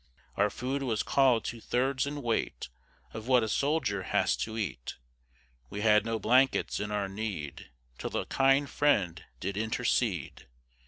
Our food was call'd two thirds in weight Of what a soldier has to eat; We had no blankets in our need, Till a kind friend did intercede.